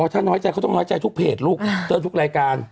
ถ้าน้อยใจเขาต้องน้อยใจทุกเพจลูกเตือนทุกรายการ